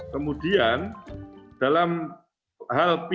kemudian dalam hal pihak yang bersantai